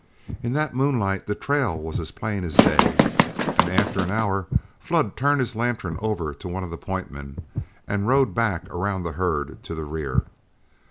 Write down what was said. In that moonlight the trail was as plain as day, and after an hour, Flood turned his lantern over to one of the point men, and rode back around the herd to the rear.